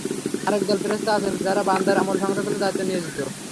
আরেক দল ফেরেশতা আছেন, যাঁরা বান্দার আমল সংরক্ষণের দায়িত্বে নিয়োজিত।